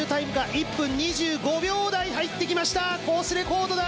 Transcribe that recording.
１分２５秒台入ってきましたコースレコードだ。